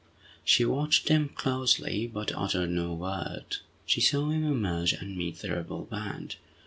She watched him closely, but uttered no word. She saw him emerge, and meet the rebel band.